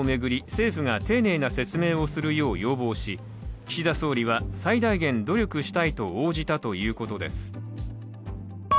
政府が丁寧な説明をするよう要望し岸田総理は最大限努力したいと応じたということです。